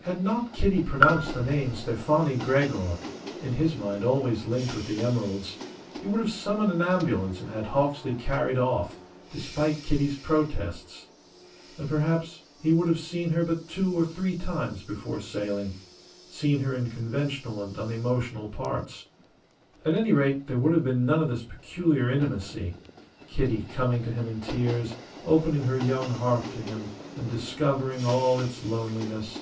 Had not Kitty pronounced the name Stefani Gregor in his mind always linked with the emeralds he would have summoned an ambulance and had Hawksley carried off, despite Kitty's protests; and perhaps he would have seen her but two or three times before sailing, seen her in conventional and unemotional parts. At any rate, there would have been none of this peculiar intimacy Kitty coming to him in tears, opening her young heart to him and discovering all its loneliness.